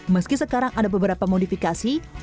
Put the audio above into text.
meski sekarang ada beberapa modifikasi